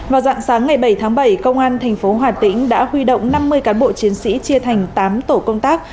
vào dạng sáng ngày bảy tháng bảy công an tp hòa tĩnh đã huy động năm mươi cán bộ chiến sĩ chia thành tám tổ công tác